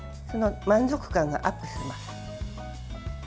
満足感がアップします。